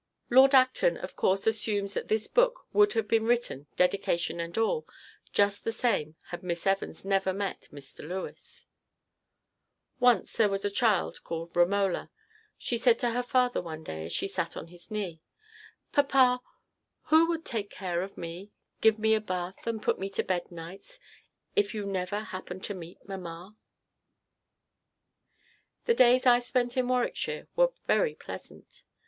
Lord Acton of course assumes that this book would have been written, dedication and all, just the same had Miss Evans never met Mr. Lewes. Once there was a child called Romola. She said to her father one day, as she sat on his knee: "Papa, who would take care of me give me my bath and put me to bed nights if you had never happened to meet Mamma?" The days I spent in Warwickshire were very pleasant.